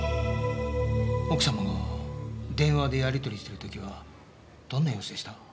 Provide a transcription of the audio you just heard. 奥様が電話でやり取りしている時はどんな様子でした？